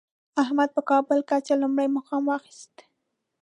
احمد په کابل کچه لومړی مقام واخیست.